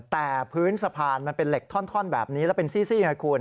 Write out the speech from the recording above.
แต่พื้นสะพานมันเป็นเหล็กท่อนแบบนี้แล้วเป็นซี่ไงคุณ